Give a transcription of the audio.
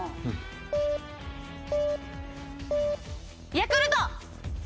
ヤクルト。